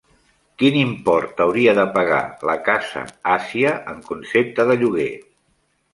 Quin import hauria de pagar la Casa Àsia en concepte de lloguer?